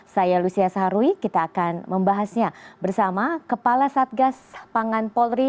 saya lucia saharwi kita akan membahasnya bersama kepala satgas pangan polri